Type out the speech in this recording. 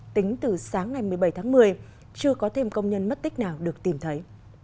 tính từ sáng ngày một mươi bảy tháng một mươi chưa có thêm công nhân mất tích nào được tìm thấy